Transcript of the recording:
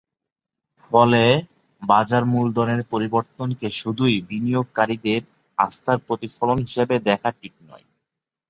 ফলে বাজার মূলধনের পরিবর্তনকে শুধুই বিনিয়োগকারীদের আস্থার প্রতিফলন হিসেবে দেখা ঠিক নয়।